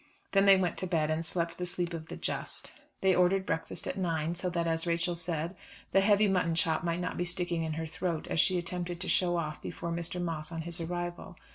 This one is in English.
Then they went to bed, and slept the sleep of the just. They ordered breakfast at nine, so that, as Rachel said, the heavy mutton chop might not be sticking in her throat as she attempted to show off before Mr. Moss on his arrival.